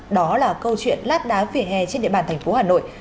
đó là câu chuyện lát đá vỉa hè trên địa bàn thành phố hà nội